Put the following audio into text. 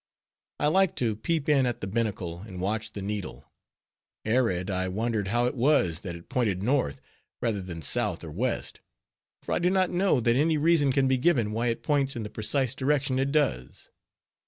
I liked to peep in at the binnacle, and watch the needle; and I wondered how it was that it pointed north, rather than south or west; for I do not know that any reason can be given why it points in the precise direction it does.